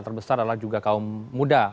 terbesar adalah juga kaum muda